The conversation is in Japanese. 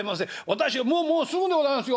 私はもうもうすぐでございますよ。